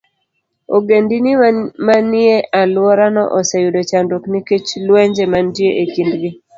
Ogendini manie alworano oseyudo chandruok nikech lwenje mantie e kindgi.